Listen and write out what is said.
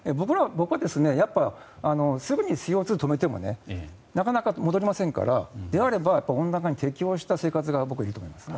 僕は、すぐにＣＯ２を止めてもなかなか戻りませんからであれば温暖化に適応した生活が僕はいいと思います。